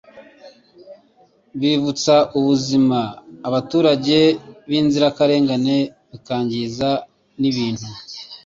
bivutsa ubuzima abaturage b'inzirakarengane bikangiza n'ibintu